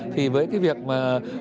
thì với cái việc mà